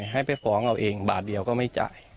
ให้ไปฟ้องเอาเองบาทเดียวก็ไม่จ่าย